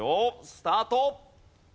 スタート。